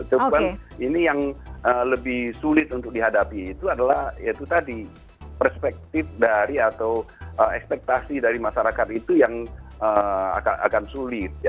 cuman ini yang lebih sulit untuk dihadapi itu adalah perspektif dari atau ekspektasi dari masyarakat itu yang akan sulit